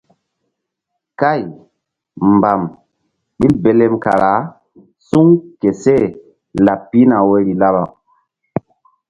Kay mbam ɓil belem kara suŋ ke seh laɓ pihna woyri laɓ.